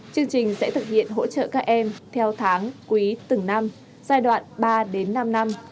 chương trình sẽ thực hiện hỗ trợ các em theo tháng quý từng năm giai đoạn ba đến năm năm